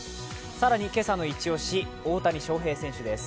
更に今朝のイチ押し、大谷翔平選手です。